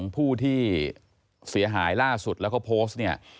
ผู้ที่เสียหายล่าสุดแล้วก็โพสต์เนี่ย